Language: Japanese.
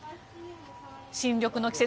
新緑の季節